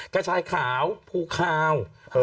กระชายขาวภูคาว